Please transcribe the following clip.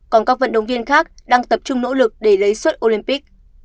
còn các vận động viên khác đang tập trung nỗ lực để lấy suất olympic